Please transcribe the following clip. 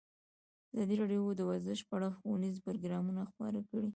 ازادي راډیو د ورزش په اړه ښوونیز پروګرامونه خپاره کړي.